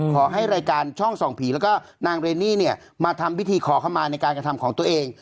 ขอให้รายการช่องส่องผีแล้วก็นางเรนนี่เนี่ยมาทำพิธีขอเข้ามาในการกระทำของตัวเอง